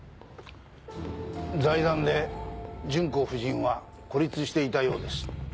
財団で純子夫人は孤立していたようです。